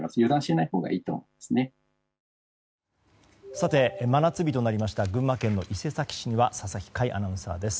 さて、真夏日となりました群馬県の伊勢崎市には佐々木快アナウンサーです。